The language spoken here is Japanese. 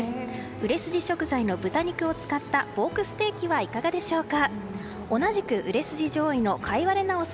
売れ筋食材の豚肉を使ったポークステーキはいかがでしょうか。